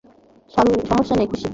সমস্যা নেই, খুকি।